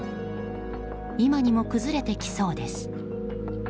今にも崩れてきそうです。